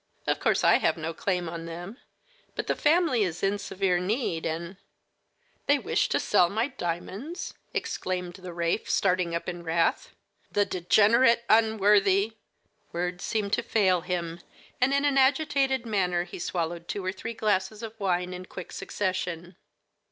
"Of course I have no claim on them, but the family is in severe need, and " "They wish to sell my diamonds!" exclaimed the wraith, starting up in wrath. "The degenerate, unworthy " Words seemed to fail him, and in an agitated manner he swallowed two or three glasses of wine in quick succession.